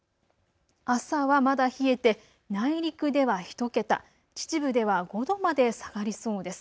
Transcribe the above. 朝はまだ冷えて内陸では１桁、秩父では５度まで下がりそうです。